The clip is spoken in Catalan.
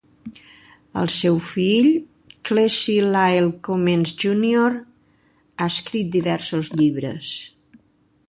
El seu fill, Clessie Lyle Cummins júnior, ha escrit diversos llibres.